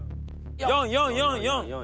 「４」「４」「４」「４」！